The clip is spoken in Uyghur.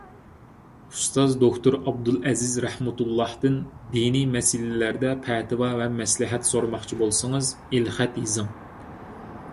ئۇستاز دوكتور ئابدۇلئەزىز رەھمەتۇللاھتىن دىنىي مەسىلىلەردە پەتىۋا ۋە مەسلىھەت سورىماقچى بولسىڭىز، ئېلخەت يېزىڭ.